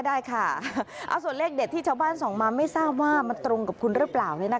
ได้ค่ะเอาส่วนเลขเด็ดที่ชาวบ้านส่องมาไม่ทราบว่ามันตรงกับคุณหรือเปล่า